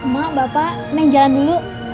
mama bapak menjalan dulu